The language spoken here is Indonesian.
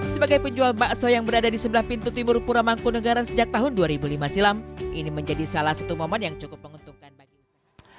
sebagai penjual bakso yang berada di sebelah pintu timur pura mangkunegara sejak tahun dua ribu lima silam ini menjadi salah satu momen yang cukup menguntungkan bagi usaha